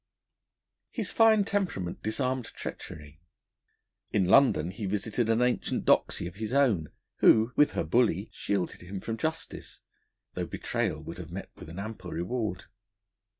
His fine temperament disarmed treachery. In London he visited an ancient doxy of his own, who, with her bully, shielded him from justice, though betrayal would have met with an ample reward.